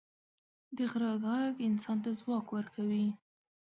د غره ږغ انسان ته ځواک ورکوي.